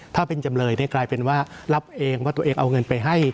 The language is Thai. ถ้าเป็นจำเลยกลายเป็นว่ารับเองว่าตัวเองเอาเงินไปให้